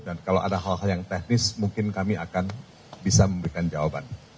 dan kalau ada hal hal yang teknis mungkin kami akan bisa memberikan jawaban